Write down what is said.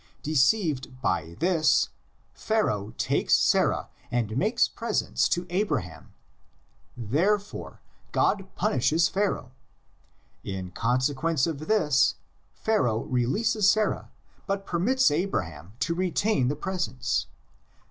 Deceived by this Pharaoh takes Sarah and makes presents to Abraham. Therefore God pun ishes Pharaoh. In consequence of this Pharaoh releases Sarah but permits Abraham to retain the presents.